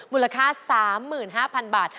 มูลค่า๓๕๐๐๐บาท